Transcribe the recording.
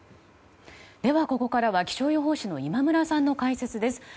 ではここから気象予報士の今村さんの解説です。